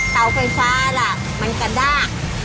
เสาไฟฟ้าล่ะมันกระด้าง